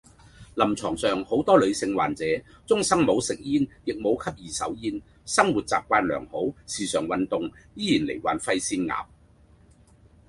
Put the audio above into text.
臨床上好多女性患者，終生冇食煙亦冇吸二手煙，生活習慣良好時常運動，依然罹患肺腺癌